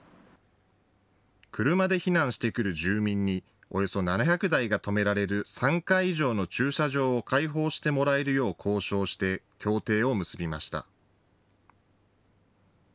車で避難してくる住民におよそ７００台が止められる３階以上の駐車場を開放してもらえるよう交渉して協定を結びました。